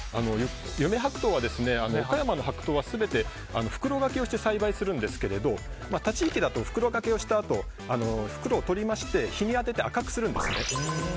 夢白桃は岡山の白桃は全て袋掛けをして栽培するんですけれど他地域だと袋かけをしたあと袋を取りまして日に当てて赤くするんですね。